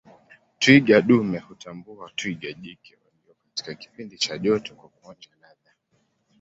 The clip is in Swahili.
Twiga dume hutambua twiga jike walio katika kipindi cha joto kwa kuonja ladha